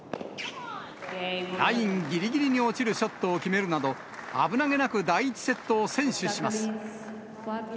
ラインぎりぎりに落ちるショットを決めるなど、危なげなく第１セットを先取します。